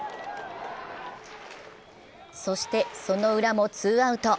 そして、そのウラもツーアウト。